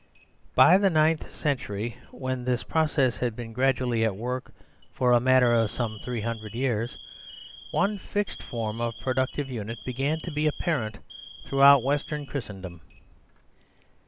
By the ninth century, when this process had been gradually at work for a matter of some three hundred years, one fixed form of productive unit began to be apparent throughout Western Christendom.